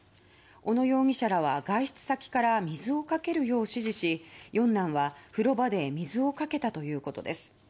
小野容疑者らは、外出先から水をかけるよう指示し四男は風呂場で水をかけたということです。